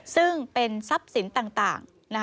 ซึ่งเป็นทรัพย์สินต่าง